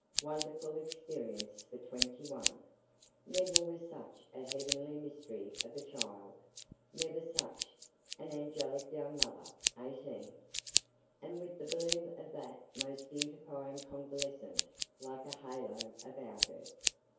Wonderful experience for twenty one! Never was such a heavenly mystery of a child! Never such an angelic young mother! eighteen, and with the bloom of that most beautifying convalescence like a halo about her.